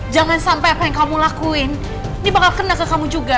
jangan sampai apa yang kamu lakuin ini bakal kena ke kamu juga